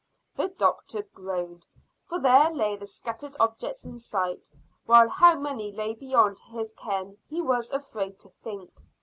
The doctor groaned, for there lay the scattered objects in sight, while how many lay beyond his ken he was afraid to think.